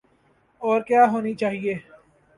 اورکیا ہونی چاہیے۔